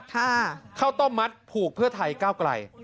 คาร์กต้มมัดผูกเพื่อไทยเก้ากลัย